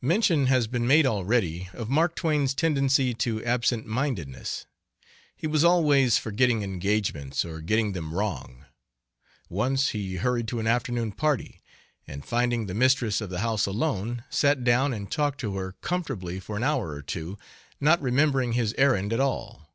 Mention has been made already of Mark Twain's tendency to absentmindedness. He was always forgetting engagements, or getting them wrong. Once he hurried to an afternoon party, and finding the mistress of the house alone, sat down and talked to her comfortably for an hour or two, not remembering his errand at all.